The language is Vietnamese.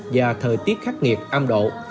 và thời tiết khắc nghiệt âm độ